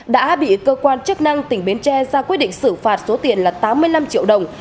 đã bị cơ quan chức năng tỉnh bến tre ra quyết định xử phạt số tiền là tám mươi năm triệu đồng